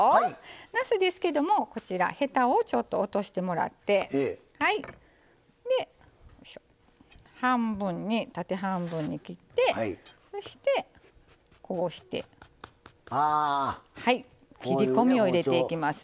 なすですけどヘタを落としてもらって縦半分に切ってそして、こうして切りこみを入れていきますよ。